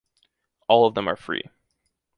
All of them are free.